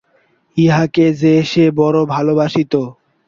ইহাকে যে সে বড় ভালবাসিত!